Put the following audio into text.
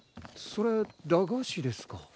それ駄菓子ですか？